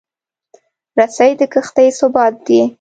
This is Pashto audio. رسۍ د کښتۍ ثبات دی.